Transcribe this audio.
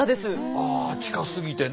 ああ近すぎてね。